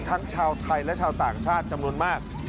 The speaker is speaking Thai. ทั้งชาวไทยและชาวต่างชาติจำนวนมาก